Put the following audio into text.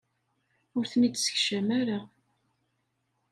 Ur ten-id-ssekcam ara.